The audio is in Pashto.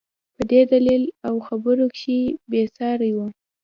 دى په دليل او خبرو کښې بې سارى و.